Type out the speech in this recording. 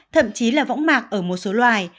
thậm chí là võng mạc ở một số loài